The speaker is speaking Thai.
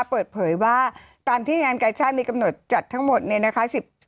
เปิดเผยว่าตามที่งานกาชาติมีกำหนดจัดทั้งหมดเนี่ยนะคะ